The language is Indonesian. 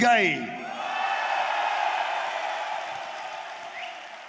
saudara natalius pigai